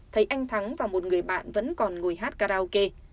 thấy anh thắng và một người bạn vẫn còn ngồi hát karaoke